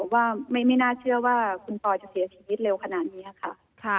ว่าไม่น่าเชื่อว่าคุณปอยจะเสียชีวิตเร็วขนาดนี้ค่ะ